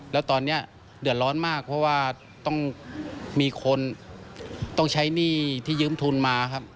แล้วตอนนี้เดือดร้อนมากเพราะว่าต้องมีคนต้องใช้หนี้ที่ยืมทุนมาครับ